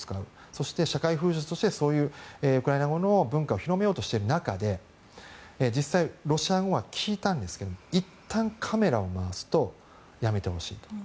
そして社会風土としてウクライナ語の文化を広めようとしている中で実際、ロシア語は聞いたんですがいったんカメラを回すとやめてほしいと。